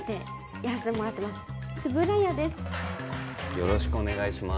よろしくお願いします